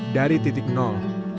dari titik nol